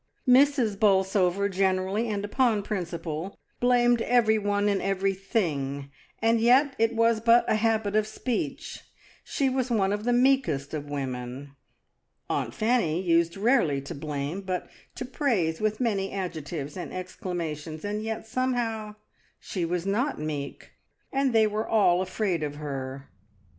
Mrs. Bolsover generally, and upon principle, blamed everyone and everything, and yet it was but a habit of speech; she was one of the meekest of women. Aunt Fanny used rarely to blame, but to praise with many adjectives and exclamations, and yet somehow she was not meek, and they were all afraid of her.